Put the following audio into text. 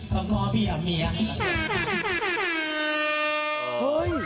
เพราะเพราะพี่อยากเมีย